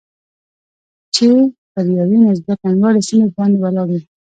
چې پر یوې نسبتاً لوړې سیمې باندې ولاړ یو.